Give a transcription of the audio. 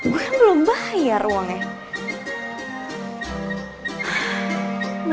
gue belum bayar uangnya